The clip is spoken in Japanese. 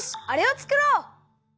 あれをつくろう！